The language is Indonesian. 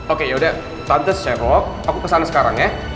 oke yaudah tante serok aku kesana sekarang ya